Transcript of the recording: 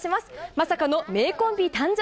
まさかの名コンビ誕生？